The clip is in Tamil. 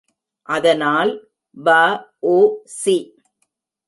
அதனால் வ.உ.சி.